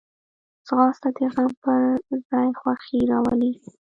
ځغاسته د غم پر ځای خوښي راولي